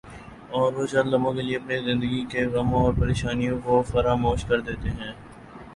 اور وہ چند لمحوں کے لئے اپنی زندگی کے غموں اور پر یشانیوں کو فراموش کر دیتے ہیں ۔